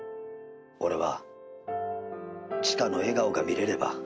「俺は千華の笑顔が見れれば」